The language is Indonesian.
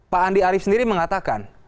pak andi arief sendiri mengatakan